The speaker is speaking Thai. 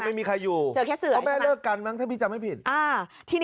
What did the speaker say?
ไม่มีใครอยู่เพราะแม่เลิกกันมั้งถ้าพี่จำไม่ผิดใช่ไหม